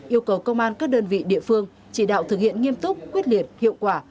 yêu cầu công an các đơn vị địa phương chỉ đạo thực hiện nghiêm túc quyết liệt hiệu quả